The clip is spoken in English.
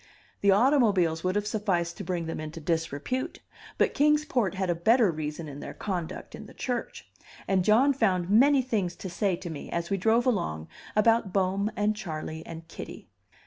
The automobiles would have sufficed to bring them into disrepute, but Kings Port had a better reason in their conduct in the church; and John found many things to say to me, as we drove along, about Bohm and Charley and Kitty.